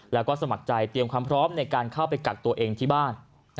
แล้วก็สมัครใจเตรียมความพร้อมในการเข้าไปกักตัวเองที่บ้าน